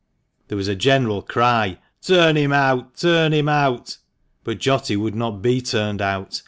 There was a general cry, " Turn him out ! Turn him out !" But Jotty would not be turned out.